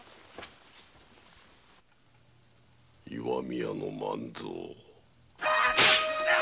石見屋の万蔵。